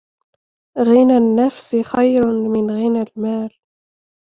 غنى النفس خير من غنى المال